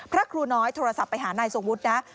พระครูน้อยโทรศัพท์ไปหานายทรงวุฒินะ